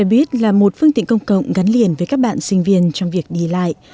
xe buýt là một phương tiện công cộng gắn liền với các bạn sinh viên trong việc đi lại